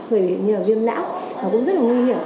về viêm não nó cũng rất là nguy hiểm